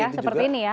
ini ya seperti ini ya